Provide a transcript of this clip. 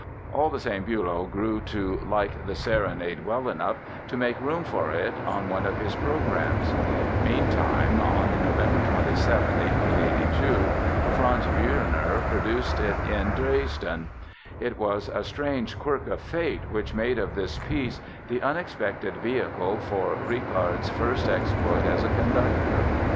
All the same Bülow grew to like the Serenade well enough to make room for it on one of his programs. Meantime—on November 27, 1882—Franz Wüllner produced it in Dresden. And it was a strange quirk of fate which made of this piece the unexpected vehicle for Richard's first exploit as a conductor!